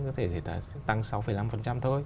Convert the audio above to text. có thể tăng sáu năm thôi